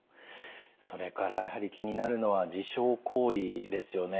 それからやはり気になるのは自傷行為ですよね。